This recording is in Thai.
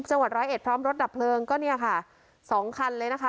จังหวัดร้อยเอ็ดพร้อมรถดับเพลิงก็เนี่ยค่ะสองคันเลยนะคะ